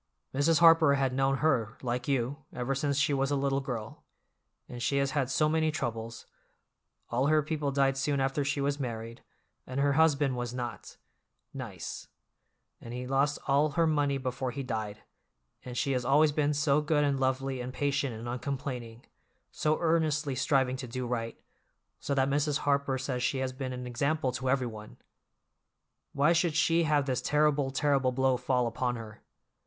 Mrs. Harper had known her, like you, ever since she was a little girl, and she has had so many troubles; all her people died soon after she was married, and her husband was not—nice, and he lost all her money before he died, and she has always been so good and lovely and patient and uncomplaining, so earnestly striving to do right, so that Mrs. Harper says she has been an example to everyone. Why should she have this terrible, terrible blow fall upon her?